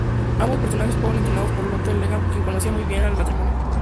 Ambos personajes fueron estrenados por Lotte Lehmann, quien conoció muy bien al matrimonio.